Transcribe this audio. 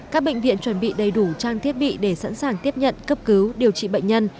các bệnh viện chuẩn bị đầy đủ trang thiết bị để sẵn sàng tiếp nhận cấp cứu điều trị bệnh nhân